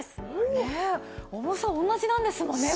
重さ同じなんですもんね